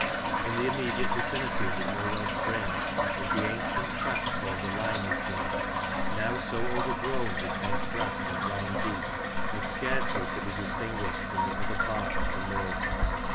In the immediate vicinity of the Irwell springs is the ancient track called the "Limersgate," now so overgrown with bent grass and brown heath as scarcely to be distinguished from the other parts of the moor.